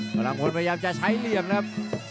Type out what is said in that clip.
พลังพลพยายามจะใช้เหลี่ยมครับ